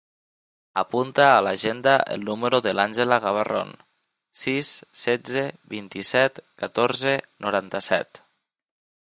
Apunta a l'agenda el número de l'Àngela Gabarron: sis, setze, vint-i-set, catorze, noranta-set.